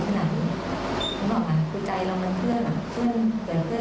แต่คนอาจจะโทษนะครับไม่ดูแลเพื่อนดีอะไรอย่างนี้